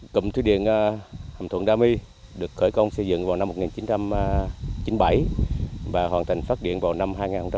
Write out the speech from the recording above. cụm thủy điện hầm thuận đa my được khởi công xây dựng vào năm một nghìn chín trăm chín mươi bảy và hoàn thành phát điện vào năm hai nghìn một mươi